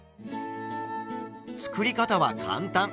作り方は簡単！